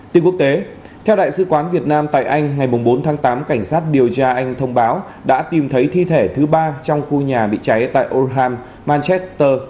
tiếng quốc tế theo đại sứ quán việt nam tại anh ngày bốn tháng tám cảnh sát điều tra anh thông báo đã tìm thấy thi thể thứ ba trong khu nhà bị cháy tại oham manchester